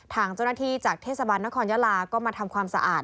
ทางเจ้าหน้าที่จากเทศบาลนครยาลาก็มาทำความสะอาด